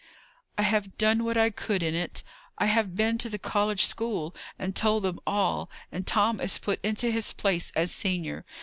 "I have done what I could in it. I have been to the college school, and told them all, and Tom is put into his place as senior.